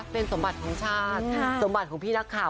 เป็นสมบัติของชาติสมบัติของพี่นักข่าว